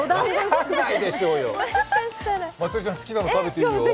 まつりちゃん、好きなの食べていいよ。